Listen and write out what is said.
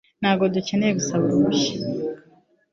Ntabwo dukeneye gusaba uruhushya